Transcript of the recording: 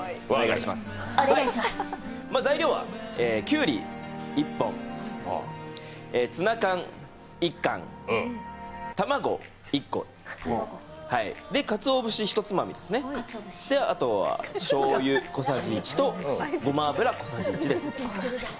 材料はきゅうり１本、ツナ缶１缶、卵１個、かつお節１つまみですね、それと、しょうゆ小さじ１とごま油、小さじ１です。